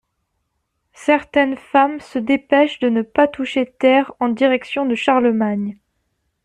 Certaines femmes se dépêchent de ne pas toucher terre en direction de Charlemagne!